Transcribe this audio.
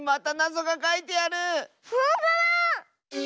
ほんとだ！